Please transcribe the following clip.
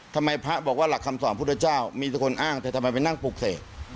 พระบอกว่าหลักคำสอนพุทธเจ้ามีแต่คนอ้างแต่ทำไมไปนั่งปลูกเสก